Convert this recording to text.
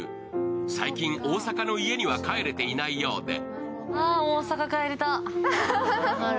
最近、大阪の家には帰れていないようで。